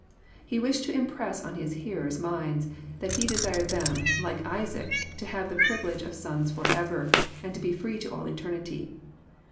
He wished to im press on His hearer's minds, that he desired them, like Isaac, to have the privilege of sons forever, and to be free to all eter nity.